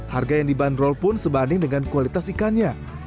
harga yang dibanderol pun sebanding dengan kualitas ikannya